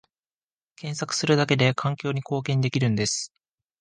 検索するだけで環境に貢献できるんです